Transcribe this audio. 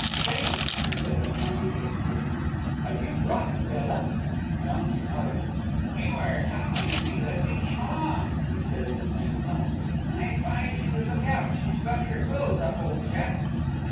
"James," he said in an agitated whisper, "have you brought Bella?" Jauncy nodded. "We were talking of you as we came along," he said in the same tone, "and I advise you to look out she's got her quills up, old chap!"